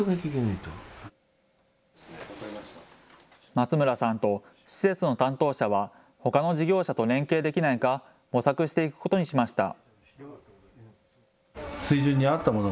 松村さんと施設の担当者はほかの事業者と連携できないか模索していくことにしました。